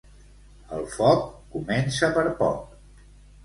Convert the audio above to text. El foc comença per poc.